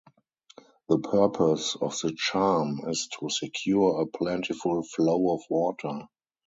The purpose of the charm is to secure a plentiful flow of water.